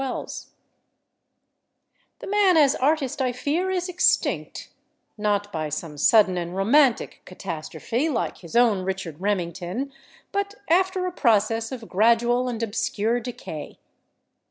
WELLS The man as artist, I fear, is extinct—not by some sudden and romantic catastrophe, like his own Richard Remington, but after a process of gradual and obscure decay.